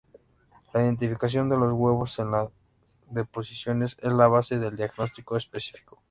La identificación de los huevos en las deposiciones es la base del diagnóstico específico.